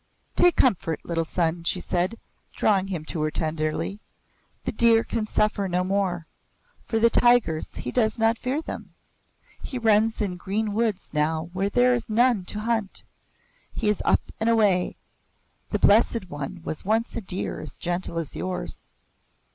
"Take comfort, little son," she said, drawing him to her tenderly. "The deer can suffer no more. For the tigers, he does not fear them. He runs in green woods now where there is none to hunt. He is up and away. The Blessed One was once a deer as gentle as yours."